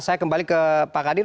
saya kembali ke pak kadir